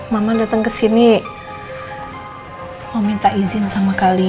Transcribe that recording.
mama datang kesini mau minta izin sama dia